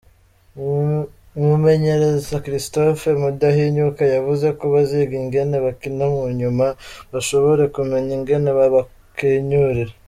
Umumenyereza Christophe Mudahinyuka yavuze ko baziga ingene bakina, munyuma bashobore kumenya ingene babakenyurira.